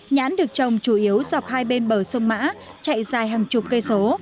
nhãn được trồng chủ yếu dọc hai bên bờ sông mã chạy dài hàng chục cây số